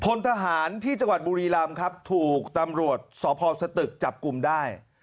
พลทหารที่จังหวัดบุรีรำครับถูกตำรวจสพสตึกจับกลุ่มได้